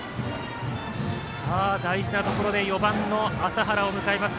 大事なところで４番の麻原を迎えます。